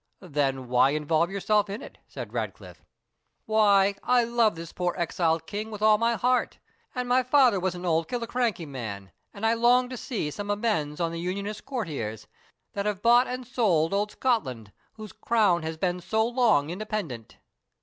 "Then why involve yourself in it?" said Ratcliffe. "Why, I love this poor exiled king with all my heart; and my father was an old Killiecrankie man, and I long to see some amends on the Unionist courtiers, that have bought and sold old Scotland, whose crown has been so long independent."